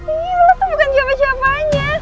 ih lo tuh bukan jawabannya